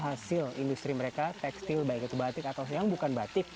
hasil industri mereka tekstil baik itu batik atau yang bukan batik